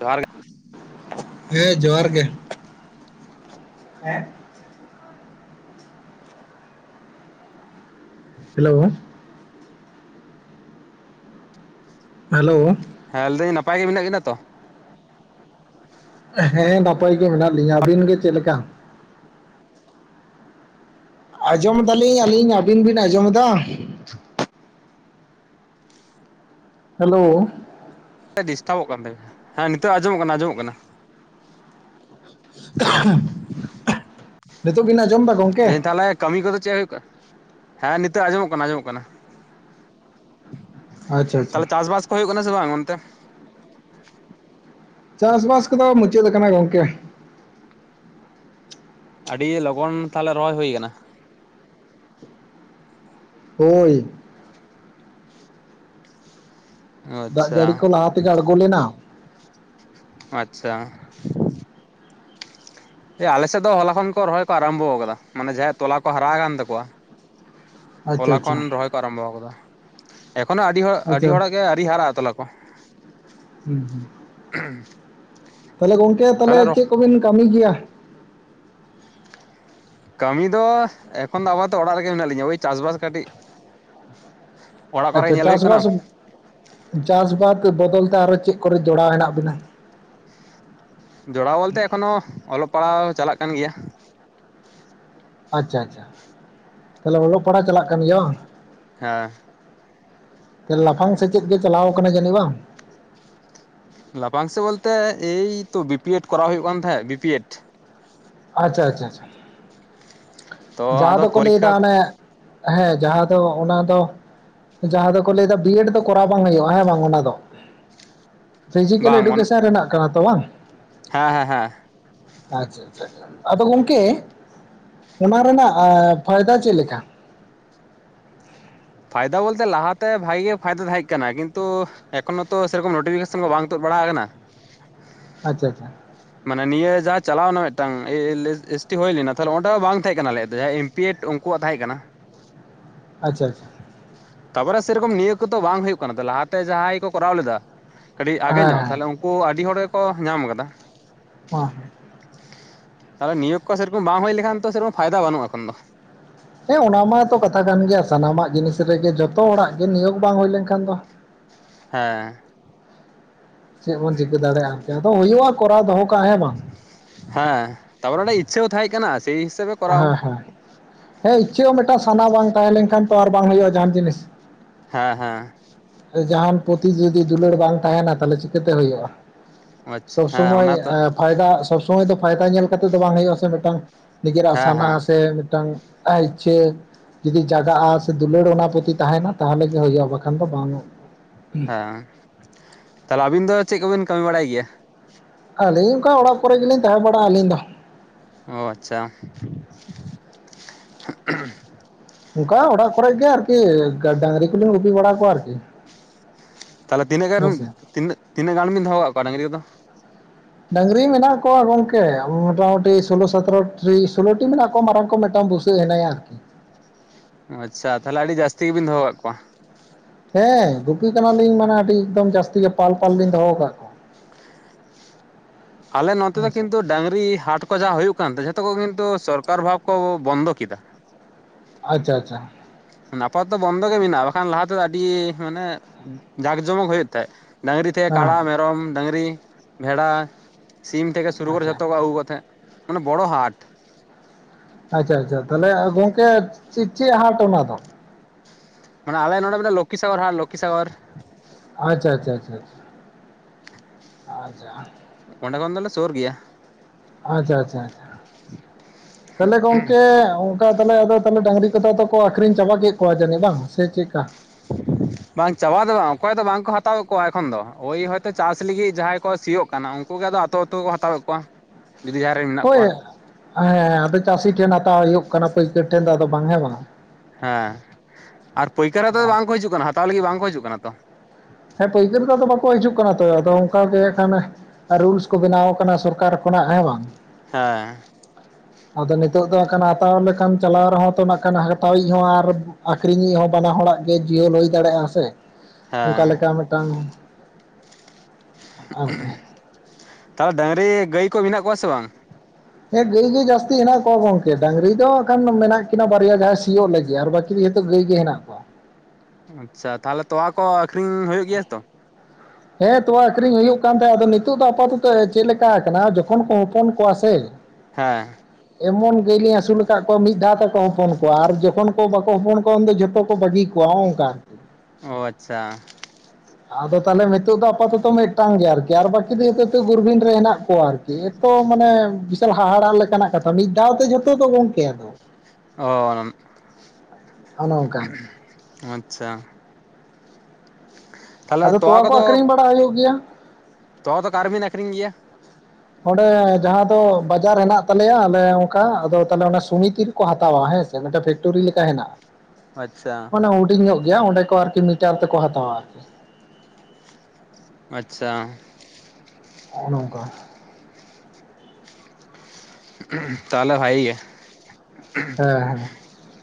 ᱡᱚᱦᱟᱨ ᱜᱮ ᱾ ᱦᱮᱸ ᱡᱚᱦᱟᱨ ᱜᱮ ᱾ ᱦᱮᱞᱳ ᱾ ᱦᱮᱞᱳ ᱾ ᱦᱮᱸ ᱞᱟᱹᱭ ᱫᱟᱹᱧ ᱱᱟᱯᱟᱭ ᱜᱮ ᱢᱮᱱᱟᱜ ᱠᱤᱱᱟ ᱛᱚ? ᱦᱮᱸ ᱱᱟᱯᱟᱭ ᱜᱮ ᱢᱮᱱᱟᱜ ᱞᱤᱧᱟ ᱾ ᱟᱹᱵᱤᱱ ᱜᱮ ᱪᱮᱫ ᱞᱮᱠᱟ? ᱟᱸᱡᱚᱢ ᱫᱟᱞᱤᱧ, ᱟᱹᱞᱤᱧ ᱟᱹᱵᱤᱱ ᱵᱤᱱ ᱟᱸᱡᱚᱢ ᱮᱫᱟ? ᱦᱮᱞᱳ ᱾ ᱰᱤᱥᱴᱟᱵᱚᱜ ᱠᱟᱱ ᱛᱤᱧᱟ ᱦᱮᱸ ᱱᱤᱛᱚᱜ ᱟᱸᱡᱚᱢᱚᱜ ᱠᱟᱱᱟ, ᱟᱸᱡᱚᱢᱚᱜ ᱠᱟᱱᱟ ᱾ ᱱᱤᱛᱳᱜ ᱵᱤᱱ ᱟᱸᱡᱚᱢ ᱮᱫᱟ ᱜᱚᱝᱠᱮ? ᱞᱟᱹᱭᱫᱟᱹᱧ ᱛᱟᱦᱚᱞᱮ ᱠᱟᱹᱢᱤ ᱠᱚᱫᱚ ᱪᱮᱫ ᱦᱩᱭᱩᱜ ᱠᱟᱱᱟ? ᱦᱮᱸ ᱱᱤᱛᱳᱜ ᱟᱸᱡᱚᱢᱚᱜ ᱠᱟᱱᱟ ᱟᱸᱡᱚᱢᱚᱜ ᱠᱟᱱᱟ᱾ ᱟᱪᱪᱷᱟ ᱟᱪᱪᱷᱟ ᱛᱟᱦᱚᱞᱮ ᱪᱟᱥᱵᱟᱥ ᱠᱚ ᱦᱩᱭᱩᱜ ᱠᱟᱱᱟ ᱥᱮ ᱵᱟᱝ ᱚᱱᱛᱮ? ᱪᱟᱥᱵᱟᱥ ᱠᱚᱫᱚ ᱢᱩᱪᱟᱹᱫ ᱟᱠᱟᱱᱟ ᱜᱚᱝᱠᱮ ᱾ ᱟᱹᱰᱤ ᱞᱚᱜᱚᱱ ᱛᱟᱦᱚᱞᱮ ᱨᱚᱦᱚᱭ ᱦᱩᱭ ᱟᱠᱟᱱᱟ? ᱦᱳᱭ ᱾ ᱫᱟᱜᱽ ᱟᱪᱪᱷᱟ ᱡᱟᱹᱲᱤ ᱠᱚ ᱞᱟᱦᱟ ᱛᱮᱜᱮ ᱟᱸᱬᱜᱚ ᱞᱮᱱᱟ ᱾ ᱟᱪᱪᱷᱟ ᱾ ᱟᱞᱮᱥᱮᱫ ᱫᱚ ᱦᱚᱞᱟ ᱠᱷᱚᱱ ᱠᱚ ᱨᱚᱦᱚᱭ ᱠᱚ ᱟᱨᱟᱢᱵᱦᱚ ᱟᱠᱟᱫᱟ, ᱢᱟᱱᱮ ᱡᱟᱦᱟᱸᱭᱟᱜ ᱛᱚᱞᱟ ᱠᱚ ᱦᱟᱨᱟ ᱟᱠᱟᱱ ᱛᱟᱠᱚᱣᱟ ᱟᱪᱪᱷᱟ ᱦᱚᱞᱟ ᱟᱪᱪᱷᱟ ᱠᱷᱚᱱ ᱨᱚᱦᱚᱭ ᱠᱚ ᱟᱨᱟᱢᱵᱷᱚ ᱟᱠᱟᱫᱟ᱾ ᱮᱠᱷᱚᱱᱳ ᱟᱹᱰᱤ ᱦᱚᱲ, ᱟᱹᱰᱤ ᱟᱪᱪᱷᱟ ᱦᱚᱲᱟᱜ ᱜᱮ ᱟᱹᱣᱨᱤ ᱦᱟᱨᱟᱜᱼᱟ ᱛᱚᱞᱟ ᱠᱚ ᱦᱩᱸ ᱦᱩᱸ [unintelligible] ᱛᱟᱦᱚᱞᱮ ᱜᱚᱝᱠᱮ ᱛᱟᱦᱚᱞᱮ ᱪᱮᱫ ᱠᱚᱵᱤᱱ ᱠᱟᱹᱢᱤ ᱜᱮᱭᱟ? ᱠᱟᱹᱢᱤ ᱫᱚ ᱮᱠᱷᱚᱱ ᱫᱚ ᱟᱯᱟᱛᱚᱛᱚ ᱚᱲᱟᱜ ᱨᱮᱜᱮ ᱢᱮᱱᱟᱜ ᱞᱤᱧᱟ, ᱳᱭ ᱪᱟᱥ ᱵᱟᱥ ᱠᱟᱹᱴᱤᱡ [inaudible] ᱟᱪᱪᱷᱟ ᱧᱮᱞ ᱦᱩᱭᱩᱜ ᱠᱟᱱᱟ ᱪᱟᱥᱵᱟᱥ ᱪᱟᱥ ᱵᱟᱫ ᱵᱚᱫᱚᱞ ᱛᱮ ᱟᱨᱚ ᱪᱮᱫ ᱠᱚᱨᱮ ᱡᱚᱲᱟᱣ ᱦᱮᱱᱟᱜ ᱵᱤᱱᱟ? ᱡᱚᱲᱟᱣ ᱚᱞᱛᱮ ᱮᱠᱷᱚᱱᱚ ᱚᱞᱚᱜ ᱯᱟᱲᱦᱟᱣ ᱪᱟᱞᱟᱜ ᱠᱟᱱ ᱜᱮᱭᱟ ᱟᱪᱪᱷᱟ ᱟᱪᱪᱷᱟ ᱾ ᱛᱟᱦᱞᱮ ᱚᱞᱚᱜ ᱯᱟᱲᱦᱟᱜ ᱪᱟᱞᱟᱜ ᱠᱟᱱ ᱜᱮᱭᱟ ᱵᱟᱝ? ᱦᱮᱸ ᱾ ᱞᱟᱯᱷᱟᱝ ᱥᱮᱪᱮᱫ ᱜᱮ ᱪᱟᱞᱟᱣ ᱟᱠᱟᱱᱟ ᱡᱟᱹᱱᱤᱡ ᱵᱟᱝ? ᱞᱟᱯᱷᱟᱝ ᱥᱮᱫ ᱵᱚᱞᱛᱮ ᱮᱭᱛᱚ ᱵᱤᱯᱤ ᱮᱰ ᱠᱚᱨᱟᱣ ᱦᱩᱭᱩᱜ ᱠᱟᱱ ᱛᱟᱦᱮᱸᱫ ᱵᱤᱯᱤ ᱮᱰ ᱟᱪᱪᱷᱟ ᱟᱪᱪᱷᱟᱷᱟ ᱛᱚ ᱡᱟᱦᱟᱸ ᱟᱫᱚ ᱫᱚᱠᱚ ᱞᱟᱹᱭ ᱯᱚᱨᱤᱠᱠᱷᱟ ᱫᱟ ᱚᱱᱮ ᱦᱮᱸ ᱡᱟᱦᱟᱸ ᱫᱚ ᱚᱱᱟ ᱫᱚ ᱡᱟᱦᱟᱸ ᱫᱚᱠᱚ ᱞᱟᱹᱭ ᱫᱟ ᱵᱤᱭᱮᱰ ᱫᱚ ᱠᱚᱨᱟᱣ ᱵᱟᱝ ᱦᱩᱭᱩᱜᱼᱟ, ᱦᱮᱸ ᱵᱟᱝ ᱚᱱᱟ ᱫᱚ [inaudible] ᱯᱷᱤᱡᱤᱠᱮᱞ ᱵᱟᱝ ᱮᱰᱩᱠᱮᱥᱚᱱ ᱨᱮᱱᱟᱜ ᱠᱟᱱᱟ ᱛᱚ ᱵᱟᱝ? ᱦᱮᱸ ᱦᱮᱸ ᱦᱮᱸ ᱾ ᱟᱪᱪᱷᱟ ᱾ ᱟᱫᱚ ᱜᱚᱝᱠᱮ, ᱚᱱᱟ ᱨᱮᱱᱟᱜ ᱯᱷᱟᱭᱫᱟ ᱪᱮᱫ ᱞᱮᱠᱟ? ᱯᱷᱟᱭ ᱫᱟ ᱵᱚᱞᱛᱮ ᱞᱟᱦᱟ ᱛᱮ ᱵᱷᱟᱜᱮ ᱜᱮ ᱯᱷᱟᱭᱫᱟ ᱛᱟᱦᱮᱸ ᱠᱟᱱᱟ, ᱠᱤᱱᱛᱩ ᱮᱠᱷᱚᱱᱳᱛᱚ ᱥᱮ ᱨᱚᱠᱚᱢ ᱱᱚᱴᱤᱯᱷᱤᱠᱮᱥᱚᱱ ᱠᱚ ᱵᱟᱝ ᱛᱩᱫ ᱵᱟᱲᱟ ᱟᱠᱟᱱᱟ, ᱟᱪᱪᱷᱟ ᱟᱪᱷᱟ ᱢᱟᱱᱮ ᱱᱤᱭᱟᱹ ᱡᱟᱦᱟᱸ ᱪᱟᱞᱟᱣ ᱮᱱᱟ ᱢᱤᱫᱴᱟᱝ ᱮ ᱮᱞ ᱮᱥ ᱴᱤ ᱦᱩᱭ ᱞᱮᱱᱟ ᱛᱟᱦᱞᱮ ᱚᱸᱰᱮ ᱦᱚᱸ ᱵᱟᱝ ᱛᱟᱦᱮᱸ ᱠᱟᱱᱟᱞᱭᱟᱜ ᱫᱚ ᱡᱟᱦᱟᱸ ᱮᱢ ᱯᱤ ᱮᱰ ᱩᱱᱠᱩᱣᱟᱜ ᱛᱟᱦᱮᱸ ᱠᱟᱱᱟ ᱟᱪᱪᱟ ᱟᱪᱪᱷᱟ, ᱛᱟᱯᱚᱨᱮ ᱥᱮᱨᱚᱠᱚᱢ ᱱᱤᱭᱳᱜ ᱠᱚᱛᱚ ᱵᱟᱝ ᱦᱩᱭᱩᱜ ᱠᱟᱱᱟ ᱞᱟᱦᱟᱛᱮ ᱡᱟᱦᱟᱸᱭ ᱠᱚ ᱠᱚᱨᱟᱣ ᱞᱮᱫᱟ, ᱠᱟᱹᱴᱤᱡ ᱟᱜᱮ ᱧᱚᱜ ᱦᱮᱸ ᱛᱟᱦᱞᱮ ᱩᱱᱠᱩ ᱟᱹᱰᱤ ᱦᱚᱲ ᱜᱮᱠᱚ ᱧᱟᱢ ᱟᱠᱟᱫᱟ, ᱚᱸ ᱛᱟᱦᱚᱞᱮ ᱱᱤᱭᱳᱜ ᱠᱚ ᱥᱮ ᱨᱚᱠᱚᱢ ᱵᱟᱝ ᱦᱩᱭ ᱞᱮᱠᱷᱟᱱ ᱛᱚ ᱥᱮᱨᱚᱠᱚᱢ ᱯᱷᱟᱭᱫᱟ ᱵᱟᱹᱱᱼᱟ ᱮᱠᱷᱚᱱ ᱫᱚ ᱦᱮᱸ ᱚᱱᱟ ᱢᱟᱛᱚ ᱠᱟᱛᱷᱟ ᱠᱟᱱ ᱜᱮᱭᱟ ᱥᱟᱱᱟᱢᱟᱜ ᱡᱤᱱᱤᱥ ᱨᱮᱜᱮ ᱡᱚᱛᱚ ᱦᱚᱲᱟᱜ ᱜᱮ ᱱᱤᱭᱳᱜ ᱵᱟᱝ ᱦᱩᱭ ᱞᱮᱱᱠᱷᱟᱱ ᱫᱚ, ᱦᱮᱸ ᱪᱮᱫ ᱵᱚᱱ ᱪᱤᱠᱟᱹ ᱫᱟᱲᱮᱭᱟᱜᱼᱟ ᱡᱮᱦᱮᱛᱩ ᱦᱩᱭᱩᱜᱼᱟ ᱠᱚᱨᱟᱣ ᱫᱚᱦᱚ ᱠᱟᱜᱼᱟ ᱦᱮᱸ ᱵᱟᱝ ᱦᱮᱸ ᱛᱟᱨᱯᱚᱨᱮ ᱚᱱᱮ ᱤᱪᱪᱷᱟᱹ ᱠᱚ ᱛᱟᱦᱮᱸ ᱠᱟᱱᱟ ᱥᱮᱭ ᱦᱤᱥᱟᱹᱵ ᱦᱮᱸ ᱦᱮᱸ ᱦᱮᱸ ᱤᱪᱪᱟᱹᱜ ᱦᱚᱸ ᱢᱤᱫᱴᱟᱝ ᱥᱟᱱᱟ ᱵᱟᱝ ᱛᱟᱦᱮᱸ ᱞᱮᱱ ᱠᱷᱟᱱ ᱛᱚ ᱟᱨ ᱵᱟᱝ ᱦᱩᱭᱩᱜᱼᱟ ᱡᱟᱦᱟᱱ ᱡᱤᱱᱤᱥ ᱦᱮᱸ ᱦᱮᱸ ᱡᱟᱦᱟᱸᱱ ᱯᱩᱛᱷᱤ ᱡᱩᱫᱤ ᱫᱩᱞᱟᱹᱲ ᱵᱟᱝ ᱛᱟᱦᱮᱱᱟ ᱛᱟᱦᱚᱞᱮ ᱪᱤᱠᱟᱹᱛᱮ ᱦᱩᱭᱩᱜᱼᱟ ᱟᱪᱪᱷᱟ ᱥᱚᱵ ᱦᱮᱸ ᱥᱚᱢᱚᱭ ᱚᱱᱟ ᱛᱚ ᱟᱯ ᱯᱷᱟᱭᱫᱟ ᱥᱚᱵᱽ ᱥᱚᱢᱚᱭ ᱫᱚ ᱯᱷᱟᱭᱫᱟ ᱧᱮᱞ ᱠᱟᱛᱮᱜ ᱫᱚ ᱵᱟᱝ ᱦᱳᱭᱳᱜ-ᱟ ᱥᱮ ᱢᱤᱫᱴᱟᱝ ᱱᱤᱡᱮᱨᱟᱜ ᱦᱮᱸ ᱥᱟᱱᱟ ᱦᱮᱸ ᱥᱮ ᱢᱤᱫᱴᱟᱝ ᱤᱪᱪᱷᱟᱹ ᱡᱩᱫᱤ ᱡᱟᱜᱟᱜᱼᱟ ᱥᱮ ᱫᱩᱞᱟᱹᱲ ᱚᱱᱟ ᱯᱩᱚᱛᱤ ᱛᱟᱦᱮᱸᱱᱟ ᱛᱟᱦᱚᱞᱮ ᱜᱮ ᱦᱩᱭᱩᱜᱼᱟ ᱵᱟᱠᱷᱟᱱ ᱫᱚ ᱵᱟᱹᱝᱼᱟ, ᱦᱮᱸ ᱛᱟᱦᱚᱞᱮ ᱟᱹᱵᱤᱱ ᱫᱚ ᱪᱮᱫ ᱠᱚᱵᱤᱱ ᱠᱟᱹᱢᱤ ᱵᱟᱲᱟᱭ ᱜᱮᱭᱟ ᱟᱹᱞᱤᱧ ᱚᱠᱟ ᱚᱲᱟᱜ ᱠᱚᱨᱮ ᱜᱮᱞᱤᱧ ᱛᱟᱦᱮᱸ ᱵᱟᱲᱟᱜᱼᱟ ᱟᱹᱞᱤᱧ ᱫᱚ ᱚ ᱟᱪᱪᱷᱟ ᱚᱝᱠᱟ ᱚᱲᱟᱜ ᱠᱚᱨᱮ ᱜᱮ ᱟᱨᱠᱤ ᱰᱟᱝᱨᱤ ᱠᱚᱞᱤᱧ ᱜᱩᱯᱤ ᱵᱟᱲᱟ ᱠᱚᱣᱟ ᱟᱨᱠᱤ ᱛᱟᱦᱞᱮ ᱛᱤᱱᱟᱹ ᱜᱟᱱ ᱨᱩᱢ ᱦᱮᱸᱥᱮ ᱛᱤᱱᱟᱹᱜ ᱛᱤᱱᱟᱹᱜ ᱜᱟᱱ ᱵᱤᱱ ᱫᱚᱦᱚ ᱟᱠᱟᱜ ᱠᱚᱣᱟ ᱰᱟᱝᱨᱤ ᱠᱚᱫᱚ ᱰᱝᱨᱤ ᱢᱮᱱᱟᱜ ᱠᱚᱣᱟ ᱜᱚᱢᱠᱮ ᱟᱵᱚ ᱢᱚᱴᱟᱢᱩᱴᱤ ᱥᱳᱞᱳ ᱥᱚᱛᱮᱨᱳᱚᱴᱤ ᱥᱳᱞᱳᱴᱤ ᱢᱮᱱᱟᱜ ᱠᱚᱣᱟ ᱢᱟᱨᱟᱝ ᱠᱚ ᱢᱤᱫᱴᱟᱝ ᱵᱩᱥ ᱥᱟᱹᱜ ᱢᱮᱱᱟᱭᱟ, ᱟᱪᱪᱷᱟ ᱛᱟᱦᱚᱞᱮ ᱟᱹᱰᱤ ᱡᱟᱹᱥᱛᱤ ᱜᱮᱵᱤᱱ ᱫᱚᱦᱚ ᱟᱠᱟᱫ ᱠᱚᱣᱟ, ᱦᱮᱸ ᱜᱩᱯᱤ ᱠᱟᱱᱟᱞᱤᱧ ᱢᱟᱱᱮ ᱟᱹᱰᱤ ᱮᱠᱫᱚᱢ ᱡᱟᱹᱥᱛᱤ ᱜᱮ ᱯᱟᱞ ᱯᱟᱞ ᱞᱤᱧ ᱫᱚᱦᱚ ᱟᱠᱟᱫ ᱠᱚᱣᱟ ᱟᱞᱮ ᱱᱚᱛᱮ ᱫᱚ ᱦᱮᱸ ᱥᱮ ᱠᱤᱱᱛᱩ ᱰᱟᱹᱟᱝᱨᱤ ᱦᱟᱴ ᱠᱚ ᱡᱟᱦᱟᱸ ᱦᱩᱭᱩᱜ ᱠᱟᱱᱛᱮ ᱡᱷᱚᱛᱚ ᱠᱚ ᱠᱤᱱᱛᱩ ᱥᱚᱨᱠᱟᱨ ᱵᱷᱟᱵᱽ ᱠᱚ ᱵᱚᱱᱫᱚ ᱠᱮᱫᱟ ᱟᱪᱪᱷᱟ ᱟᱪᱪᱷᱟ ᱟᱯᱟᱫᱚᱛᱚ ᱵᱚᱱᱫᱚ ᱜᱮ ᱢᱮᱱᱟᱜᱼᱟ ᱵᱟᱠᱷᱟᱱ ᱞᱟᱦᱟ ᱛᱮᱫᱚ ᱟᱹᱰᱤ ᱢᱟᱱᱮ ᱡᱟᱠ ᱡᱚᱢᱚᱠ ᱦᱩᱭᱩᱜ ᱛᱟᱦᱮᱸᱜ ᱰᱟᱹᱝᱨᱤ ᱛᱮ ᱠᱟᱲᱟ ᱦᱮᱸ ᱢᱮᱨᱚᱢ ᱰᱟᱹᱝᱨᱤ ᱵᱷᱮᱰᱟ ᱥᱤᱢ ᱛᱮᱜᱮ ᱥᱩᱨᱩ ᱜᱚᱨ ᱟᱪᱪᱷᱟ ᱡᱷᱚᱛᱚ ᱠᱚ ᱟᱹᱜᱩ ᱠᱚ ᱛᱟᱦᱮᱸᱜ ᱢᱟᱱᱮ ᱵᱚᱲᱚ ᱦᱟᱴ ᱟᱪᱪᱷᱟ ᱟᱪᱪᱷᱟ ᱛᱟᱦᱚᱞᱮ ᱜᱚᱢᱠᱮ ᱪᱮᱫ ᱪᱮᱫ ᱦᱟᱴ ᱚᱱᱟ ᱫᱚ, ᱢᱟᱱᱮ ᱟᱮ ᱱᱚᱰᱮ ᱢᱮᱱᱟᱜᱼᱟ ᱞᱚᱠᱠᱷᱤ ᱥᱟᱜᱚᱨ ᱦᱟᱴ ᱞᱚᱠᱠᱷᱤ ᱥᱟᱜᱚᱨ ᱟᱪᱪᱷᱟ ᱟᱪᱪᱷᱟ ᱟᱪᱪᱷᱟ ᱟ ᱟᱪᱪᱷᱟ ᱚᱸᱰᱮ ᱠᱷᱚᱱ ᱫᱚᱞᱮ ᱥᱳᱨ ᱜᱤᱭᱟ, ᱟᱪᱪᱷᱟ ᱟᱪᱪᱷᱟ ᱟᱪᱪᱷᱟ ᱛᱟᱦᱚᱞᱮ ᱜᱚᱢᱠᱮ ᱚᱱᱠᱟ ᱛᱟᱦᱞᱮ ᱟᱫᱚ ᱛᱟᱦᱞᱮ ᱰᱟᱝᱨᱤ ᱠᱚᱫᱚ ᱛᱚ ᱠᱚ ᱟᱠᱠᱷᱨᱤᱧ ᱪᱟᱵᱟ ᱠᱮᱫ ᱠᱚᱣᱟ ᱡᱟᱹᱱᱤᱡ ᱵᱟᱝ ᱥᱮ ᱪᱮᱫ ᱠᱟ [inaudible] ᱵᱟᱝ ᱪᱟᱵᱟ ᱫᱚ ᱵᱟᱝ ᱚᱠᱚᱭ ᱫᱚ ᱵᱟᱝᱠᱚ ᱦᱟᱛᱟᱣᱮᱫ ᱠᱚᱣᱟ ᱮᱠᱷᱚᱱ ᱫᱚ ᱳᱭ ᱦᱚᱭᱛᱳ ᱪᱟᱥ ᱞᱟᱹᱜᱤᱫ ᱡᱟᱦᱟᱸᱭ ᱠᱚ ᱥᱤᱭᱳᱜ ᱠᱟᱱᱟ ᱩᱱᱠᱩ ᱜᱮ ᱟᱫᱚ ᱱᱤᱛᱳᱜ ᱛᱚ ᱠᱚ ᱦᱟᱛᱟᱣᱮᱫ ᱠᱚᱣᱟ ᱵᱟᱨᱤᱭᱟ ᱨᱮ ᱢᱮᱱᱟᱜ ᱦᱳᱭ ᱠᱚᱣᱟ ᱦᱮᱸ ᱟᱫᱚ ᱪᱟᱹᱥᱤ ᱴᱷᱮᱱ ᱦᱟᱛᱟᱣ ᱦᱩᱭᱩᱜ ᱠᱟᱱᱟ ᱯᱟᱹᱭᱠᱟᱹᱨ ᱴᱷᱮᱱ ᱫᱚ ᱟᱫᱚ ᱵᱟᱝ ᱦᱮᱸ ᱵᱟᱝ ᱦᱮᱸ ᱟᱨ ᱯᱟᱹᱭᱠᱟᱨ ᱟᱫᱚ ᱵᱟᱝ ᱠᱚ ᱦᱤᱡᱩᱜ ᱠᱟᱱᱟ ᱦᱟᱛᱟᱣ ᱞᱟᱹᱜᱤᱫ ᱵᱟᱝ ᱠᱚ ᱦᱤᱡᱩᱜ ᱠᱟᱱᱟ ᱛᱚ ᱦᱮᱸ ᱯᱟᱹᱭᱠᱟᱹᱨ ᱠᱚ ᱟᱫᱚ ᱵᱟᱠᱚ ᱦᱤᱡᱩᱜ ᱠᱟᱱᱟ ᱛᱚ ᱟᱫᱚ ᱚᱱᱠᱟ ᱜᱮ ᱠᱟᱱᱟ᱾ ᱨᱩᱞᱥ ᱠᱚ ᱵᱮᱱᱟᱣ ᱠᱟᱱᱟ ᱥᱚᱨᱠᱟᱨ ᱠᱷᱚᱱᱟᱜ ᱦᱮᱸ ᱵᱟᱝ ᱦᱮᱸ ᱟᱫᱚ ᱱᱤᱛᱳᱜ ᱫᱚ ᱦᱟᱸᱜ ᱠᱷᱟᱱ ᱦᱟᱛᱟᱣᱟ ᱞᱮᱠᱷᱟᱱ ᱪᱟᱞᱟᱣ ᱨᱮᱦᱚᱸ ᱛᱚ ᱱᱟᱜ ᱠᱷᱟᱱ ᱦᱟᱛᱟᱣᱤᱡ ᱦᱚᱸ ᱟᱨ ᱟᱠᱷᱨᱤᱧᱤᱡ ᱦᱚᱸ ᱵᱟᱱᱟ ᱦᱚᱲᱟᱜ ᱜᱮ ᱡᱤᱦᱚᱞ ᱦᱩᱭ ᱫᱟᱲᱮᱭᱟᱜᱼᱟ ᱥᱮ, ᱦᱮᱸ ᱚᱱᱠᱟ ᱞᱮᱠᱟ ᱢᱮᱫᱴᱟᱝ ᱛᱟᱦᱚᱞᱮ ᱰᱟᱝᱨᱤ ᱜᱟᱹᱭ ᱠᱚ ᱢᱮᱱᱟᱜ ᱠᱚᱣᱟ ᱥᱮ ᱵᱟᱝ ᱦᱮᱸ ᱜᱟᱹᱭ ᱜᱮ ᱡᱟᱹᱥᱛᱤ ᱦᱮᱱᱟᱜ ᱠᱚᱣᱟ ᱜᱚᱝᱠᱮ ᱰᱟᱝᱨᱤ ᱫᱚ ᱟᱠᱷᱟᱱ ᱢᱮᱱᱟᱜ ᱠᱤᱱᱟ ᱵᱟᱨᱭᱟ ᱡᱟᱦᱟᱸ ᱥᱤᱭᱚᱜ ᱞᱟᱹᱜᱤᱫ ᱟᱨ ᱵᱟᱠᱤ, ᱱᱤᱛ ᱡᱚᱛᱚ ᱜᱟᱹᱭ ᱜᱮ ᱦᱮᱱᱟᱜ ᱠᱚᱣᱟ᱾ ᱟᱪᱪᱷᱟ ᱛᱟᱦᱚᱞᱮ ᱛᱚᱣᱟ ᱠᱚ ᱟᱹᱠᱷᱨᱤᱧ ᱦᱩᱭᱩᱜ ᱜᱮᱭᱟ ᱛᱚ᱾ ᱦᱮᱸ ᱛᱚᱣᱟ ᱟᱹᱠᱷᱨᱤᱧ ᱦᱩᱭᱩᱜ ᱠᱟᱱ ᱛᱟᱦᱮᱸᱫ ᱟᱫᱚ ᱱᱤᱛᱚᱜ ᱫᱚ ᱟᱯᱟᱛᱚᱛᱚ ᱪᱮᱫ ᱞᱮᱠᱟ ᱠᱟᱱᱟ ᱡᱚᱠᱷᱚᱱ ᱠᱚ ᱦᱚᱯᱚᱱ ᱠᱚᱣᱟ ᱥᱮ, ᱦᱮᱸ, ᱮᱢᱚᱱ ᱜᱟᱹᱭᱞᱤᱧ ᱟᱹᱥᱩᱞ ᱠᱟᱫ ᱠᱚᱣᱟ ᱢᱤᱫ ᱫᱷᱟᱣ ᱛᱮᱠᱚ ᱦᱚᱯᱚᱱ ᱠᱚᱣᱟ ᱟᱨ ᱡᱚᱠᱷᱚᱱ ᱠᱚ ᱵᱟᱠᱚ ᱦᱚᱯᱚᱱ ᱠᱚᱣᱟ ᱩᱱ ᱫᱚ ᱡᱷᱚᱛᱚ ᱠᱚ ᱵᱟᱹᱜᱤ ᱠᱚᱣᱟ᱾ ᱠᱚᱣᱟ ᱦᱚᱸᱜ-ᱚ ᱚᱝᱠᱟ᱾ ᱚ ᱟᱪᱪᱷᱟ, ᱟᱫᱚ ᱛᱟᱦᱚᱞᱮ ᱢᱤᱫ ᱱᱤᱛᱚᱜ ᱫᱚ ᱟᱯᱟᱛᱚᱛᱚ ᱢᱤᱫᱴᱟᱝ ᱜᱮᱭᱟ ᱟᱨᱠᱤ, ᱟᱨ ᱵᱟᱹᱠᱤ ᱫᱚ ᱡᱷᱚᱛᱚ ᱦᱤᱛᱚᱜ ᱜᱩᱨᱵᱷᱤᱱ ᱨᱮ ᱦᱮᱱᱟᱜ ᱠᱚᱣᱟ ᱟᱨᱠᱤ ᱮᱛᱚ ᱢᱟᱱᱮ, ᱦᱟᱦᱟᱲᱟᱜ ᱞᱮᱠᱟᱱᱟᱜ ᱠᱟᱛᱷᱟ ᱢᱤᱫ ᱫᱷᱟᱣ ᱛᱮ ᱡᱷᱚᱛᱚ ᱫᱚ ᱜᱚᱝᱠᱮ ᱟᱫᱚ᱾ ᱚ, ᱚᱱᱮ ᱚᱱᱠᱟ ᱟᱪᱪᱷᱟ᱾ ᱛᱟᱦᱚᱞᱮ ᱟᱫᱚ ᱛᱚᱣᱟ ᱠᱚ ᱠᱚᱫᱚ ᱟᱹᱠᱷᱨᱤᱧ ᱵᱟᱲᱟ ᱦᱩᱭᱩᱜ ᱜᱮᱭᱟ᱾ ᱛᱚᱣᱟ ᱫᱚ ᱚᱠᱟᱨᱮᱵᱤᱱ ᱟᱠᱷᱨᱤᱧ ᱜᱮᱭᱟ? ᱚᱸᱰᱮ ᱡᱟᱦᱟᱸ ᱫᱚ ᱵᱟᱡᱟᱨ ᱦᱮᱱᱟᱜ ᱛᱟᱞᱮᱭᱟ ᱟᱞᱮ ᱚᱝᱠᱟ ᱟᱫᱚ ᱛᱟᱞᱦᱮ ᱚᱱᱟ ᱥᱚᱢᱤᱛᱤ ᱨᱮ᱾ ᱠᱚ ᱦᱟᱛᱟᱣᱟ ᱦᱮᱸᱥᱮ ᱢᱤᱫᱴᱮᱱ ᱯᱷᱮᱠᱴᱚᱨᱤ ᱞᱮᱠᱟ ᱦᱮᱱᱟᱜ-ᱟ᱾ ᱟᱪᱪᱷᱟ ᱢᱟᱱᱮ ᱦᱩᱰᱤᱧ ᱧᱚᱜ ᱜᱮᱭᱟ ᱚᱸᱰᱮ ᱠᱚ ᱟᱨᱠᱤ ᱢᱤᱴᱟᱨ ᱛᱮᱠᱚ ᱦᱟᱛᱟᱣᱟ᱾ ᱟᱪᱪᱷᱟ, ᱦᱚᱸᱜᱼᱚ ᱱᱚᱝᱠᱟ᱾ ᱛᱟᱦᱚᱞᱮ ᱵᱷᱟᱜᱮ ᱜᱮ᱾ ᱦᱮᱸ ᱦᱮᱸ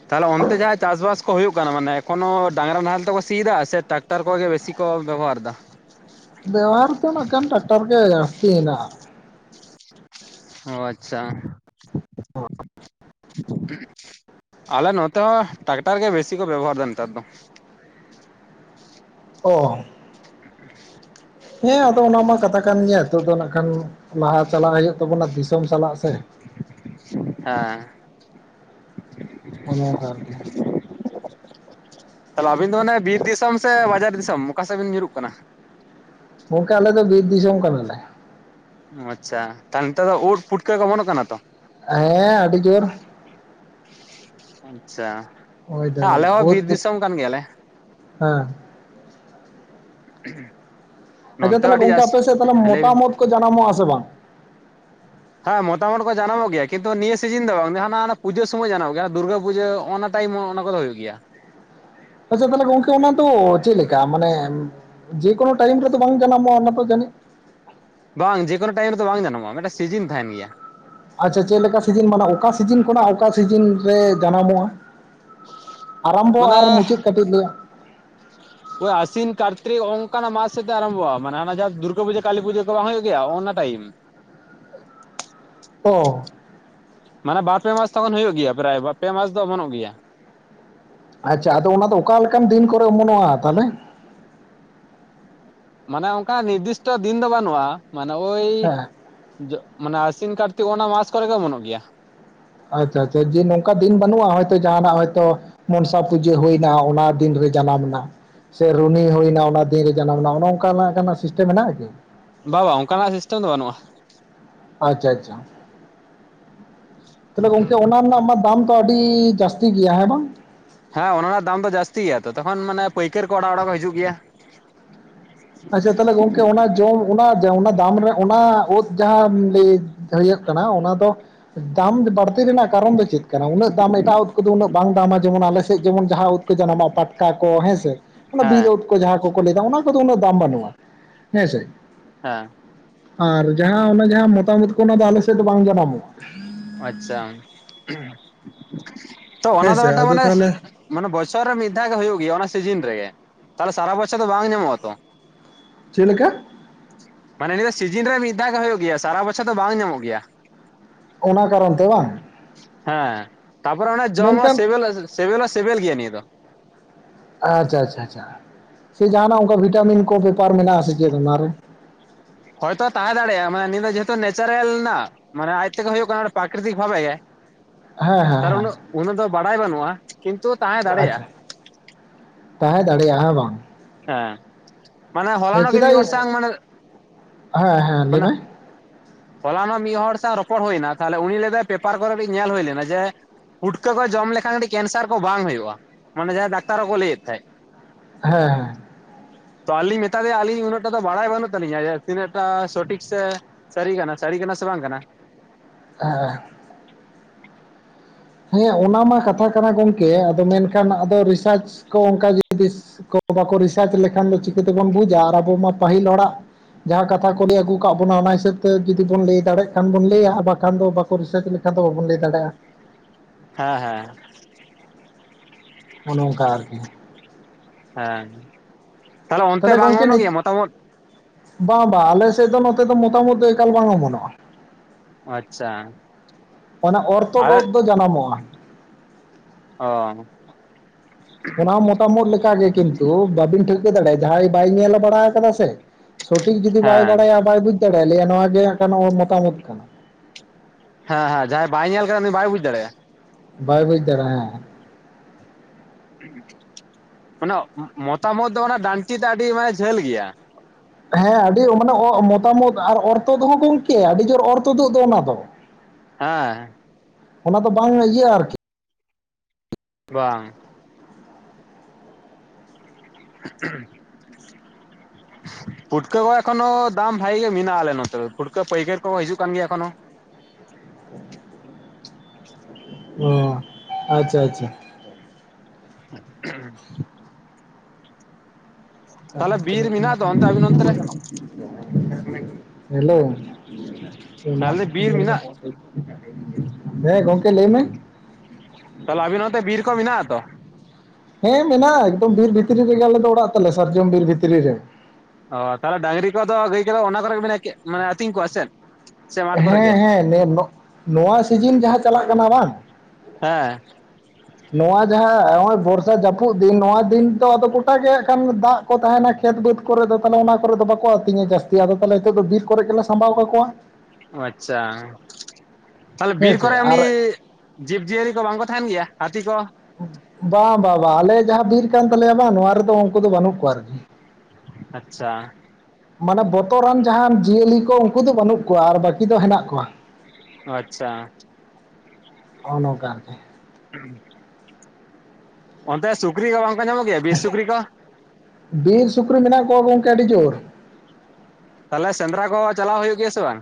ᱛᱟᱦᱚᱞᱮ ᱚᱱᱛᱮ ᱡᱟᱦᱟᱸ ᱪᱟᱥ ᱵᱟᱥ ᱠᱚ ᱦᱩᱭᱩᱜ ᱠᱟᱱᱟ ᱢᱟᱱᱮ ᱮᱠᱷᱚᱱ ᱦᱚᱸ ᱰᱟᱸᱝᱨᱟ ᱱᱟᱦᱮᱞ ᱛᱮᱠᱚ ᱥᱤᱭᱮᱫᱟ ᱥᱮ ᱴᱟᱠ ᱴᱟᱨ ᱠᱚᱜᱮ ᱵᱮᱥᱤ ᱠᱚ ᱵᱮᱵᱚᱦᱟᱨ ᱫᱟ᱾ ᱫᱮᱣᱟᱨ ᱫᱚ ᱱᱟᱸᱜ ᱠᱷᱟᱱ ᱴᱟᱠᱴᱟᱨ ᱜᱮ ᱡᱟᱹᱥᱛᱤ ᱦᱮᱱᱟᱜ-ᱟ᱾ ᱚ ᱟᱪᱪᱷᱟ, ᱟᱞᱮ ᱱᱚᱛᱮ ᱦᱚᱸ ᱴᱟᱠᱴᱟᱨ ᱜᱮ ᱵᱮᱥᱤ ᱠᱚ ᱵᱮᱵᱚᱦᱟᱨᱫᱟ ᱱᱮᱛᱟᱨ ᱫᱚ᱾ ᱚ, [inaudible] ᱦᱮᱸ ᱟᱫᱚ ᱚᱱᱟ ᱢᱟ ᱠᱟᱛᱷᱟ ᱠᱟᱱ ᱜᱮᱭᱟ ᱱᱤᱛᱚᱜ ᱫᱚ ᱱᱟᱜ ᱠᱷᱟᱱ ᱞᱟᱦᱟ ᱪᱟᱞᱟᱜ ᱦᱩᱭᱩᱜ ᱛᱟᱵᱚᱱᱟ ᱫᱤᱥᱚᱢ ᱥᱟᱞᱟᱜ ᱥᱮ᱾ ᱦᱮᱸ, ᱚᱱᱮ ᱚᱱᱠᱟ ᱟᱨᱠᱤ [inaudible] ᱛᱟᱦᱚᱞᱮ ᱟᱵᱤᱱ ᱫᱚ ᱚᱱᱟ ᱵᱤᱨ ᱫᱤᱥᱚᱢ ᱥᱮ ᱵᱟᱡᱟᱨ ᱫᱤᱥᱚᱢ ᱚᱠᱟ ᱥᱮᱫ ᱵᱤᱱ ᱧᱩᱨᱩᱜ ᱠᱟᱱᱟ? ᱜᱚᱝᱠᱮ ᱟᱞᱮ ᱫᱚ ᱵᱤᱨ ᱫᱤᱥᱚᱢ ᱠᱟᱱᱟᱞᱮ᱾ ᱚ ᱟᱪᱪᱷᱟ, ᱛᱟᱦᱚ ᱱᱤᱛᱚᱜ ᱫᱚ ᱩᱫᱽ ᱯᱷᱩᱴᱠᱟᱹ ᱠᱚ ᱚᱢᱚᱱᱚᱜ ᱠᱟᱱᱟ ᱛᱚ? ᱦᱮᱸ ᱟᱹᱰᱤ ᱡᱳᱨ᱾ ᱟᱪᱪᱷᱟ, ᱦᱳᱭ ᱫᱟᱹᱞ ᱟᱞᱮ ᱦᱚᱸ ᱳᱫ ᱵᱤᱨ ᱯᱩᱴ ᱫᱤᱥᱚᱢ ᱠᱟᱱ ᱜᱮᱭᱟᱞᱮ᱾ [inaudible] ᱦᱮᱸ ᱟᱪᱪᱷᱟ, ᱛᱟᱦᱚᱞᱮ ᱟᱹᱰᱤ ᱜᱚᱝᱠᱮ ᱡᱟᱹᱥ ᱟᱯᱮᱥᱮᱫ ᱛᱟᱦᱚᱞᱮ ᱞᱟᱹᱭ ᱵᱤᱱ ᱢᱚᱛᱟᱢ ᱳᱫᱽ ᱠᱚ ᱡᱟᱱᱟᱢᱚᱜᱼᱟ ᱥᱮ ᱵᱟᱝ? ᱦᱮᱸ ᱢᱚᱛᱟᱢ ᱳᱫᱽ ᱠᱚ ᱡᱟᱱᱟᱢᱚᱜ ᱜᱮᱭᱟ ᱠᱤᱱᱛᱩ ᱱᱤᱭᱟᱹ ᱥᱤᱡᱤᱱ ᱫᱚ ᱵᱟᱝ ᱦᱟᱱᱟ ᱚᱱᱟ ᱯᱩᱡᱟᱹ ᱥᱚᱢᱚᱭ ᱡᱟᱱᱟᱢᱚᱜ ᱜᱮᱭᱟ ᱫᱩᱨᱜᱟᱹ ᱯᱩᱡᱟᱹ ᱚᱱᱟ, ᱴᱟᱭᱤᱢᱚᱜ ᱚᱱᱟ ᱠᱚᱫᱚ ᱦᱩᱭᱩᱜ ᱜᱮᱭᱟ᱾ ᱟᱪᱪᱷᱟ ᱛᱟᱦᱚᱞᱮ ᱜᱚᱝᱠᱮ ᱚᱱᱟ ᱫᱚ ᱪᱮᱫ ᱞᱮᱠᱟ ᱢᱟᱱᱮ, ᱡᱮᱠᱳᱱᱳ ᱴᱟᱭᱤᱢ ᱨᱮᱫᱚ ᱵᱟᱝ ᱡᱟᱱᱟᱢᱚᱜᱼᱟ ᱚᱱᱟ ᱛᱚ ᱡᱟᱹᱱᱤᱡ? ᱵᱟᱝ ᱡᱮᱠᱳᱱᱳ ᱴᱟᱭᱤᱢ ᱨᱮᱫᱚ ᱵᱟᱝ ᱡᱟᱱᱟᱢᱚᱜᱼᱟ ᱢᱤᱫᱴᱟᱝ ᱥᱤᱡᱤᱱ ᱛᱟᱦᱮᱱ ᱜᱮᱭᱟ᱾ ᱟᱪᱪᱷᱟ ᱪᱮᱫ ᱞᱮᱠᱟ ᱥᱤᱡᱤᱱ ᱢᱟᱱᱮ ᱚᱠᱟ ᱥᱤᱡᱤᱱ ᱠᱷᱚᱱᱟᱜ ᱚᱠᱟ ᱥᱤᱡᱤᱱ ᱨᱮ ᱡᱟᱱᱟᱢᱚᱜᱼᱟ᱾ ᱟᱨᱟᱢᱵᱚ ᱢᱟᱱᱮ ᱟᱨ ᱢᱩᱪᱟᱹᱫ ᱠᱟᱹᱴᱤᱡ ᱞᱟᱹᱭᱟᱜ [inaudible] ᱳᱭ ᱟᱥᱤᱱ ᱠᱟᱨᱛᱨᱤᱠ ᱦᱚᱸᱜ-ᱚ ᱱᱚᱝᱠᱟᱱᱟᱜ ᱢᱟᱥ ᱥᱮᱫ ᱛᱮ ᱟᱨᱟᱢᱵᱷᱚᱜᱼᱟ ᱢᱟᱱᱮ ᱚᱱᱟ ᱡᱟᱦᱟᱸ ᱫᱩᱨᱜᱟᱹ ᱯᱩᱡᱟᱹ ᱠᱟᱞᱤ ᱯᱩᱡᱟᱹ᱾ ᱠᱚ ᱵᱟᱝ ᱦᱩᱭᱩᱜ ᱜᱮᱭᱟ ᱚᱱᱱᱟ ᱴᱟᱭᱤᱢ᱾ ᱚ, ᱢᱟᱱᱮ ᱵᱟᱨ ᱯᱮ ᱢᱟᱥ ᱛᱚᱠᱷᱚᱱ ᱦᱩᱭᱩᱜ ᱜᱮᱭᱟ ᱯᱨᱟᱭ ᱵᱟ, ᱯᱮ ᱢᱟᱥ ᱫᱚ ᱚᱢᱚᱱᱚᱜ ᱜᱮᱭᱟ᱾ ᱟᱪᱪᱷᱟ, ᱟᱫᱚ ᱚᱱᱟᱫᱚ ᱚᱠᱟ ᱞᱮᱠᱟᱱ ᱫᱤᱱ ᱠᱚᱨᱮ ᱚᱢᱚᱱᱚᱜᱼᱟ ᱛᱟᱦᱚᱞᱮ? ᱢᱟᱱᱮ ᱚᱝᱠᱟ ᱱᱤᱨᱫᱤᱥᱴᱚ ᱫᱤᱱ ᱫᱚ ᱵᱟᱹᱱᱩᱜᱼᱟ ᱢᱟᱱᱮ ᱳᱭ, ᱦᱮᱸ ᱢᱟᱱᱮ ᱟᱥᱤᱱ ᱠᱟᱨᱛᱤᱠ ᱚᱱᱟ ᱢᱟᱥ ᱠᱚᱨᱮ ᱜᱮ ᱚᱢᱚᱱᱚᱜ ᱜᱮᱭᱟ ᱟᱪᱪᱷᱟ ᱟᱪᱪᱷᱟ ᱡᱮ ᱱᱚᱝᱠᱟ ᱫᱤᱱ ᱵᱟᱹᱱᱩᱜ-ᱟ ᱦᱚᱭ ᱛᱚ ᱡᱟᱦᱟᱱᱟᱜ ᱦᱚᱭᱛᱳ ᱢᱚᱱᱥᱟ ᱯᱩᱡᱟᱹ ᱦᱩᱭᱱᱟ ᱚᱱᱟ ᱫᱤᱱᱨᱮ ᱡᱟᱱᱟᱢ ᱱᱟ ᱥᱮ ᱨᱩᱱᱦᱤ ᱦᱩᱭᱱᱟ ᱚᱱᱟ ᱫᱤᱱ ᱨᱮ ᱡᱟᱱᱟᱢ ᱮᱱᱟ ᱚᱱᱮ ᱚᱱᱠᱟᱱᱟᱜ ᱥᱤᱥᱴᱮᱢ ᱢᱮᱱᱟᱜ-ᱟ ᱠᱤ? ᱵᱟ ᱵᱟ ᱚᱱᱠᱟᱱᱟᱜ ᱥᱤᱥᱴᱮᱢ ᱫᱚ ᱵᱟᱹᱱᱩᱜ-ᱟ ᱟᱪᱪᱷᱟ ᱟᱪᱪᱷᱟ ᱛᱟᱦᱚᱞᱮ ᱜᱚᱝᱠᱮ ᱚᱱᱟ ᱨᱮᱱᱟᱜ ᱢᱟ ᱫᱟᱢ ᱛᱚ ᱟᱹᱰᱤ ᱡᱟᱹᱥᱛᱤ ᱜᱮᱭᱟ ᱦᱮᱸ ᱵᱟᱝ ᱦᱮᱸ ᱚᱱᱟ ᱨᱮᱱᱟᱜ ᱫᱟᱢ ᱫᱚ ᱡᱟᱹᱥᱛᱤ ᱜᱮᱭᱟ ᱛᱚ ᱛᱚᱠᱷᱚᱱᱟᱱᱮ ᱯᱟᱹᱭᱠᱟᱹᱨ ᱠᱚ ᱚᱲᱟᱜ ᱚᱲᱟᱜ ᱠᱚ ᱦᱤᱡᱩᱜ ᱜᱮᱭᱟ ᱟᱪᱪᱷᱟ ᱛᱟᱦᱚᱞᱮ ᱜᱚᱝᱠᱮ ᱚᱱᱟ ᱡᱚᱢ ᱚᱱᱟ ᱚᱱᱟ ᱫᱟᱢ ᱨᱮ ᱚᱱᱟ ᱳᱛ ᱡᱟᱦᱟᱸ ᱞᱟᱹᱭ ᱦᱩᱭᱩᱜ ᱠᱟᱱᱟ ᱚᱱᱟ ᱫᱚ ᱫᱟᱢ ᱵᱟᱹᱲᱛᱤ ᱨᱮᱱᱟᱜ ᱠᱟᱨᱚᱱ ᱫᱚ ᱪᱮᱫ ᱠᱟᱱᱟ ᱩᱱᱟᱹᱜ ᱫᱟᱢ ᱮᱴᱟᱜ ᱳᱛ ᱠᱚᱫᱚ ᱩᱱᱟᱹᱜ ᱵᱟᱝ ᱫᱟᱢᱟ ᱡᱮᱢᱚᱱ ᱟᱞᱮ ᱥᱮᱫ ᱡᱮᱢᱚᱱ ᱡᱟᱦᱟᱸ ᱳᱛ ᱡᱟᱱᱟᱢᱚᱜ-ᱟ ᱯᱟᱴᱠᱟ ᱠᱚ ᱦᱮᱸᱥᱮ ᱚᱱᱟ ᱦᱮᱸ ᱵᱤᱨᱫ ᱠᱚ ᱡᱟᱦᱟᱸ ᱠᱚ ᱞᱟᱹᱭᱫᱟ ᱚᱱᱟ ᱠᱚᱫᱚ ᱩᱱᱟᱹᱜ ᱫᱟᱢ ᱵᱟᱹᱱᱩᱜ-ᱟ ᱦᱮᱸ ᱥᱮ ᱦᱮᱸ ᱟᱨ ᱡᱟᱦᱟᱸ ᱚᱱᱟ ᱡᱟᱦᱟᱸ ᱢᱚᱛᱟᱢ ᱩᱫᱠᱚ ᱚᱱᱟ ᱫᱚ ᱟᱞᱮ ᱥᱮᱫ ᱫᱚ ᱵᱟᱝ ᱡᱟᱱᱟᱢᱚᱜ-ᱟ ᱟᱪᱪᱷᱟ ᱛᱚ ᱚᱱᱟ ᱦᱮᱸ ᱫᱚ ᱥᱮ ᱢᱤᱫᱴᱟᱝ ᱟᱫᱚ ᱢᱟᱱᱮ ᱛᱟᱦᱚᱞᱮ ᱢᱟᱱᱮ ᱵᱚᱪᱷᱚᱨ ᱨᱮ ᱢᱤᱫ ᱫᱷᱟᱣ ᱜᱮ ᱦᱩᱭᱩᱜ ᱜᱮᱭᱟ ᱚᱱᱟ ᱥᱤᱡᱤᱱ ᱨᱮᱜᱮ ᱛᱟᱦᱚᱞᱮ ᱥᱟᱨᱟ ᱵᱚᱪᱷᱚᱨ ᱫᱚ ᱵᱟᱝ ᱧᱟᱢᱚᱜ-ᱟ ᱛᱚ ᱪᱮ ᱞᱮᱠᱟ ᱢᱟᱱᱮ ᱱᱤᱭᱟᱹ ᱫᱚ ᱥᱤᱡᱤᱱ ᱨᱮ ᱢᱤᱫ ᱫᱷᱟᱣ ᱜᱮ ᱦᱩᱭᱩᱜ ᱜᱮᱭᱟ ᱥᱟᱨᱟ ᱵᱚᱪᱷᱚᱨ ᱫᱚ ᱵᱟᱝ ᱧᱟᱢᱚᱜ ᱜᱮᱭᱟ ᱚᱱᱟ ᱠᱟᱨᱚᱱ ᱛᱮ ᱵᱟᱝ ᱦᱮᱸ ᱛᱟᱯᱚᱨᱮ ᱚᱱᱟ ᱡᱚᱢ ᱦᱚ ᱢᱮᱱᱠᱷᱟᱱ ᱥᱮᱵᱤᱞ ᱦᱚᱸ ᱥᱮᱵᱤᱞ ᱜᱮᱭᱟ ᱱᱤᱭᱟᱹ ᱫᱚ ᱟᱪᱪᱷᱟ ᱟᱪᱪᱷᱟ ᱟᱪᱪᱷᱟ ᱟᱪᱪᱷᱟ ᱟᱪᱪᱷᱟ ᱥᱮ ᱡᱟᱦᱟᱱᱟᱜ ᱚᱱᱠᱟ ᱵᱷᱤᱴᱟᱢᱤᱱ ᱠᱚ ᱵᱮᱯᱟᱨ ᱢᱮᱱᱟᱜ-ᱟ ᱥᱮ ᱪᱮᱫ ᱚᱱᱟᱨᱮ ᱦᱳᱭᱛᱳ ᱛᱟᱦᱮᱸ ᱫᱟᱲᱮᱭᱟᱜ-ᱟ ᱢᱟᱱᱮ ᱱᱤᱭᱟᱹ ᱫᱚ ᱡᱮᱦᱮᱛᱩ ᱱᱮᱪᱟᱨᱮᱞ ᱨᱮᱱᱟᱜ ᱢᱟᱱᱮ ᱟᱡᱛᱮᱜᱮ ᱦᱩᱭᱩᱜ ᱠᱟᱱᱟ ᱯᱨᱟᱠᱨᱤᱛᱤᱠ ᱵᱷᱟᱵᱮ ᱜᱮ ᱦᱮᱸ ᱛ ᱦᱮᱸ [unintelligible] ᱦᱮᱸ ᱩᱱᱟᱹᱜ ᱩᱱᱟᱹᱜ ᱫᱚ ᱵᱟᱲᱟᱭ ᱵᱟᱹᱱᱩᱜ-ᱟ ᱠᱤᱱᱛᱩ ᱛᱟᱦᱮᱸ ᱟᱪᱪᱷᱟ ᱫᱟᱲᱮᱭᱟᱜᱼᱟ ᱛᱟᱦᱮᱸ ᱫᱟᱲᱮᱭᱟᱜ ᱦᱮ ᱵᱟᱝ ᱦᱮᱸ ᱢᱟᱱᱮ ᱦᱚᱞᱟᱱᱚᱜ ᱜᱮ ᱪᱮᱫᱟᱜ ᱢᱤᱫ ᱤᱧ ᱦᱚᱲᱥᱟᱝ ᱢᱟᱱᱮ ᱦᱮᱸ ᱦᱮᱸ ᱞᱟᱹᱭ ᱢᱟᱱᱮ ᱢᱮ ᱦᱚᱞᱟᱱᱚᱜ ᱦᱚᱸ ᱢᱤᱫ ᱦᱚᱲ ᱥᱟᱶ ᱨᱚᱯᱚᱲ ᱦᱩᱭᱱᱟ ᱛᱟᱦᱚᱞᱮ ᱩᱱᱤ ᱞᱟᱹᱭᱫᱟᱭ ᱯᱮᱯᱟᱨ ᱠᱚᱨᱮᱤᱡ ᱧᱮᱞ ᱦᱩᱭ ᱞᱮᱱᱟ ᱡᱮ ᱯᱷᱩᱴᱠᱟᱹ ᱠᱚ ᱡᱚᱢ ᱞᱮᱠᱷᱟᱱ ᱟᱹᱰᱤ ᱠᱮᱱᱥᱟᱨ ᱠᱚ ᱵᱟᱝ ᱦᱩᱭᱩᱜ-ᱟ ᱢᱟᱱᱮ ᱡᱟᱦᱟᱸᱭ ᱫᱟᱠᱛᱟᱨ ᱦᱚᱸ ᱠᱚ ᱞᱟᱹᱭ ᱮᱫ ᱛᱟᱦᱮᱸᱫ ᱦᱮᱸ ᱦᱮᱸ ᱛᱚ ᱟᱞᱤ ᱢᱮᱛᱟ ᱫᱮᱭᱟ ᱟᱹᱞᱤᱧ ᱩᱱᱟᱹᱜ ᱴᱟ ᱫᱚ ᱵᱟᱲᱟᱭ ᱵᱟᱹᱱᱩᱜ ᱛᱟᱹᱞᱤᱧᱟ ᱡᱮ ᱛᱤᱱᱟᱹᱜ ᱴᱟ ᱥᱚᱴᱷᱤᱠ ᱥᱮ ᱥᱟᱹᱨᱤ ᱠᱟᱱᱟ ᱥᱟᱹᱨᱤ ᱠᱟᱱᱟ ᱥᱮ ᱵᱟᱝ ᱠᱟᱱᱟ ᱦᱮ ᱦᱮᱸ ᱚᱱᱟᱢᱟ ᱠᱟᱛᱷᱟ ᱠᱟᱱᱟ ᱜᱚᱝᱠᱮ ᱟᱫᱚ ᱢᱮᱱᱠᱷᱟᱱ ᱟᱫᱚ ᱨᱤᱥᱟᱨᱪ ᱠᱚ ᱚᱱᱠᱟ ᱡᱚᱫᱤ ᱵᱟᱠᱚ ᱨᱤᱥᱟᱨᱪ ᱞᱮᱠᱷᱟᱱ ᱫᱚ ᱪᱤᱠᱟᱹ ᱛᱮᱵᱚᱱ ᱵᱩᱡ ᱟ ᱟᱨ ᱟᱵᱚ ᱢᱟ ᱯᱟᱹᱦᱤᱞ ᱦᱚᱲᱟᱜ ᱡᱟᱦᱟᱸ ᱠᱟᱛᱷᱟ ᱠᱚ ᱞᱟᱹᱭ ᱟᱹᱜᱩ ᱠᱟᱜ ᱵᱚᱱᱟ ᱚᱱᱟ ᱦᱤᱥᱟᱹᱵ ᱛᱮ ᱡᱩᱫᱤ ᱵᱚᱱ ᱞᱟᱹᱭ ᱫᱟᱲᱮᱭᱟᱜ ᱠᱷᱟᱱ ᱵᱚᱱ ᱞᱟᱹᱭ ᱟ ᱵᱟᱠᱷᱟᱱ ᱫᱚ ᱨᱤᱥᱟᱨᱪ ᱞᱮᱠᱷᱟᱱ ᱫᱚ ᱵᱟᱵᱚᱱ ᱞᱟᱹᱭ ᱫᱟᱲᱮᱭᱟᱜ-ᱟ᱾ ᱦᱮᱸ ᱦᱮᱸ ᱚᱱᱮ ᱚᱱᱟᱠᱟ ᱟᱨᱠᱤ ᱜᱮ ᱦᱮᱸ ᱚᱱᱛᱮ ᱛᱟᱦᱚᱞᱮ ᱵᱟᱝ ᱜᱚᱢᱠᱮ ᱚᱢᱚᱱᱚᱜ ᱱᱤᱛ ᱜᱮᱭᱟ ᱢᱚᱛᱟᱢᱚᱛ ᱵᱟᱝ ᱵᱟᱝ ᱟᱞᱮ ᱥᱮᱫ ᱫᱚ ᱱᱚᱛᱮ ᱫᱚ ᱢᱚᱛᱟᱢᱚᱛ ᱮᱠᱟᱞ ᱵᱟᱝ ᱚᱢᱚᱱᱚᱜ-ᱟ᱾ ᱟᱪᱪᱷᱟ ᱚᱱᱟ ᱚᱨᱛᱷᱚ ᱟᱨ ᱳᱫ ᱫᱚ ᱡᱟᱱᱟᱢᱚᱜ-ᱟ᱾ ᱚ ᱚᱱᱟ ᱢᱚᱛᱟᱢ ᱳᱫ ᱞᱮᱠᱟᱜᱮ ᱠᱤᱱᱛᱩ ᱵᱟᱵᱤᱱ ᱴᱷᱟᱹᱣᱠᱟᱹ ᱫᱟᱲᱮᱭᱟᱜ-ᱟ ᱡᱟᱦᱟᱸᱭ ᱵᱟᱭ ᱧᱮᱞ ᱵᱟᱲᱟ ᱠᱟᱫᱟ ᱥᱮ ᱥᱚᱴᱷᱤᱠ ᱡᱩᱫᱤ ᱵᱟᱭ ᱦᱮᱸ ᱵᱟᱲᱟᱭᱟ ᱵᱟᱭ ᱵᱩᱡ ᱫᱟᱲᱮᱭᱟᱜ-ᱟᱭᱟ ᱱᱚᱣᱟ ᱜᱮ ᱢᱚᱛᱟᱢ ᱳᱫ ᱠᱟᱱᱟ ᱦᱮᱸ ᱦᱮᱸ ᱡᱟᱦᱟᱸᱭ ᱵᱟᱭ ᱧᱮᱞ ᱠᱟᱱᱟ ᱩᱱᱤ ᱵᱟᱭ ᱵᱩᱡ ᱫᱟᱲᱮᱭᱟᱜ-ᱟ ᱵᱟᱭ ᱵᱩᱡ ᱫᱟᱨᱟ ᱦᱮᱸ ᱢᱟᱱᱮ ᱢᱚᱛᱟᱢ ᱳᱫ ᱫᱚ ᱚᱱᱟ ᱰᱟᱱᱴᱤ ᱫᱚ ᱟᱹᱰᱤ ᱢᱟᱱᱮ ᱡᱷᱟᱹᱞ ᱜᱮᱭᱟ ᱦᱮᱸ ᱟᱹᱰᱤ ᱢᱟᱱᱮ ᱢᱚᱛᱟᱢ ᱳᱫ ᱟᱨ ᱚᱨᱛᱷᱚ ᱦᱚ ᱜᱚᱝᱠᱮ ᱟᱹᱰᱤ ᱡᱳᱨ ᱚᱨᱛᱷᱚ ᱫᱚᱜ ᱫᱚ ᱚᱱᱟ ᱫᱚ ᱦᱮᱸ ᱚᱱᱟ ᱫᱚ ᱵᱟᱝ ᱤᱭᱟᱹ ᱟᱨᱠᱤ ᱲᱟᱝ [inaudible] ᱯᱩᱴᱠᱟᱹ ᱠᱚ ᱮᱠᱷᱚᱱᱳ ᱫᱟᱢ ᱵᱷᱟᱜᱤ ᱜᱮ ᱢᱮᱱᱟᱜᱼᱟ ᱟᱞᱮ ᱱᱚᱛᱮ, ᱯᱩᱴᱠᱟᱹ ᱯᱟᱹᱭᱠᱟᱹᱨ ᱠᱚᱦ ᱦᱤᱡᱩᱜ ᱠᱟᱱ ᱜᱮᱭᱟ ᱮᱠᱷᱚᱱᱳ᱾ ᱚ, ᱟᱪᱪᱷᱟ ᱟᱪᱪᱷᱟ᱾ [inaudible] ᱛᱟᱦᱚᱞᱮ ᱵᱤᱨ ᱢᱮᱱᱟᱜ ᱫᱚ ᱚᱱᱛᱮ ᱟᱹᱵᱤᱱ ᱚᱱᱛᱮ ᱨᱮ [unintelligible] ᱦᱮᱞᱳ [unintelligible] ᱛᱟᱦᱚᱞᱮ ᱵᱤᱨ ᱢᱮᱱᱟᱜ ᱦᱮᱸ ᱜᱚᱝᱠᱮ ᱞᱟᱹᱭ ᱢᱮ᱾ ᱛᱟᱦᱞᱮ ᱟᱵᱤᱱ ᱱᱚᱛᱮ ᱵᱤᱨ ᱠᱚ ᱢᱮᱱᱟᱜᱼᱟ ᱟᱛᱚ? ᱦᱮᱸ ᱢᱮᱱᱟᱜᱼᱟ ᱮᱠᱫᱚᱢ ᱵᱤᱨ ᱵᱷᱤᱛᱨᱤ ᱨᱮᱜᱮ ᱟᱞᱮ ᱫᱚ ᱚᱲᱟᱜ ᱛᱟᱞᱮ ᱥᱟᱨᱡᱚᱢ ᱵᱤᱨ ᱵᱷᱤᱛᱨᱤ ᱨᱮ᱾ ᱚ, ᱛᱟᱦᱞᱮ ᱰᱟᱝᱨᱤ ᱠᱚᱫᱚ, ᱜᱟᱹᱭ ᱠᱚᱫᱚ ᱚᱱᱟ ᱠᱚᱨᱮ ᱜᱮᱵᱤᱱ ᱟᱠᱤ ᱢᱟᱱᱮ ᱟᱛᱤᱧ ᱠᱚᱣᱟ ᱥᱮ ᱪᱮᱫ? ᱦᱮᱸ ᱦᱮᱸ ᱱᱚᱣᱟ ᱫᱚ, ᱱᱚᱣᱟ ᱥᱤᱡᱤᱱ ᱡᱟᱦᱟᱸ ᱪᱟᱞᱟᱜ ᱠᱟᱱᱟ ᱵᱟᱝ, ᱦᱮᱸ᱾ ᱱᱚᱣᱟ ᱡᱟᱦᱟᱸ ᱱᱚᱜᱼᱚᱭ ᱵᱚᱨᱥᱟ ᱡᱟᱹᱯᱩᱫ ᱫᱤᱱ ᱱᱚᱣᱟ ᱫᱤᱱ ᱛᱚ ᱟᱫᱚ ᱜᱚᱴᱟ ᱜᱮ ᱦᱟᱸᱜ ᱠᱷᱟᱱ ᱫᱟᱜ ᱠᱚ ᱛᱟᱦᱮᱱᱟ ᱠᱷᱮᱛ ᱵᱟᱹᱫᱽ ᱠᱚᱨᱮ ᱫᱚ ᱛᱟᱦᱚᱞᱮ ᱚᱱᱟ ᱠᱚᱨᱮ ᱫᱚ ᱵᱟᱠᱚ ᱟᱹᱛᱤᱧᱟ ᱡᱟᱹᱥᱛᱤ, ᱟᱫᱚ ᱛᱟᱦᱞᱮ ᱦᱤᱛᱳᱜ ᱫᱚ ᱵᱤᱨ ᱠᱚᱨᱮ ᱜᱮᱞᱮ ᱥᱟᱸᱵᱟᱣ ᱠᱟᱠᱚᱣᱟ᱾ ᱟᱪᱪᱷᱟ, ᱛᱟᱦᱞᱮ ᱦᱮᱸ ᱵᱤᱨ ᱥᱮ ᱠᱚᱨᱮ ᱩᱱᱤ ᱟᱨ ᱡᱤᱵᱽᱡᱤᱭᱟᱹᱞᱤ ᱠᱚ ᱵᱟᱝᱠᱚ ᱛᱟᱦᱮᱱ ᱜᱮᱭᱟ ᱦᱟᱹᱛᱤ ᱠᱚ? ᱵᱟᱝ ᱵᱟᱝ ᱵᱟᱝ, ᱟᱞᱮ ᱡᱟᱦᱟᱸ ᱵᱤᱨ ᱠᱟᱱ ᱛᱟᱞᱮᱭᱟ ᱵᱟᱝ ᱱᱚᱣᱟ ᱨᱮᱫᱚ ᱩᱝᱠᱩ ᱫᱚ ᱵᱟᱹᱱᱩᱜ ᱠᱚᱣᱟ ᱟᱨᱠᱤ᱾ ᱟᱪᱪᱷᱟ᱾ ᱢᱟᱱᱮ ᱵᱚᱛᱚᱨᱟᱱ ᱡᱟᱦᱟᱱ ᱡᱤᱭᱟᱹᱞᱤ ᱠᱚ ᱩᱝᱠᱩ ᱫᱚ ᱵᱟᱹᱱᱩᱜ ᱠᱚᱣᱟ ᱟᱨ ᱵᱟᱹᱠᱤ ᱫᱚ ᱦᱮᱱᱟᱜ ᱠᱚᱣᱟ᱾ ᱟᱪᱪᱷᱟ᱾ ᱦᱚᱸᱜ-ᱚ ᱱᱚᱝᱠᱟ ᱟᱨ ᱠᱤ᱾ ᱦᱩᱸ᱾ ᱚᱱᱛᱮ ᱥᱩᱠᱨᱤ ᱠᱚ ᱵᱟᱝᱠᱚ ᱧᱟᱢᱚᱜ ᱜᱮᱭᱟ ᱵᱤᱥ ᱥᱩᱠᱨᱤ ᱠᱚ? ᱵᱤᱨ ᱥᱩᱠᱨᱤ ᱢᱮᱱᱟᱜ ᱠᱚᱣᱟ ᱜᱚᱝᱠᱮ ᱟᱹᱰᱤ ᱡᱳᱨ᱾ ᱛᱟᱦᱞᱮ ᱥᱮᱸᱫᱽᱨᱟ ᱠᱚ ᱪᱟᱞᱟᱣ ᱦᱩᱭᱩᱜ ᱜᱮᱭᱟ ᱥᱮ ᱵᱟᱝ?